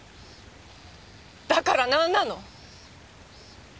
だからなんなの？